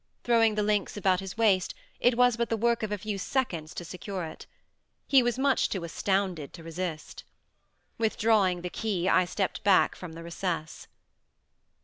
Throwing the links about his waist, it was but the work of a few seconds to secure it. He was too much astounded to resist. Withdrawing the key I stepped back from the recess.